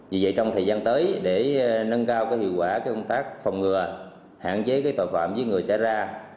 vì vậy trong thời gian tới để nâng cao hiệu quả công tác phòng ngừa hạn chế tội phạm giết người xảy ra